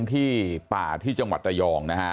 ที่ป่าที่จังหวัดรายอง